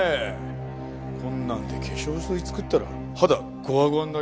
こんなんで化粧水作ったら肌ゴワゴワになりますよ。